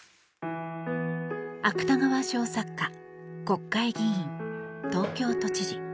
芥川賞作家、国会議員東京都知事。